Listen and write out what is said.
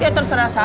ya terserah saya